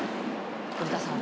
古田さん